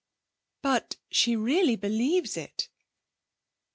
'But she really believes it.'